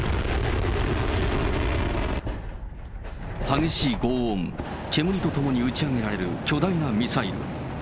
激しいごう音、煙とともに打ち上げられる巨大なミサイル。